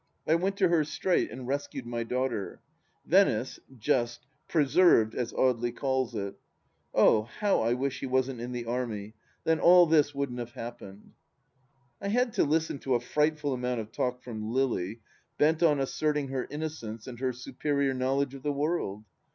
I went to her straight and rescued my daughter. " Venice," (just) "Preserved " as Audely calls it. Oh, how I wish he wasn't in the army, then all this wouldn't have happened 1 I had to listen to a frightful amount of talk from Lily, bent on asserting her innocence and her superior knowledge of the world.